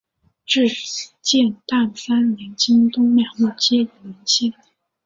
至建炎三年京东两路皆已沦陷。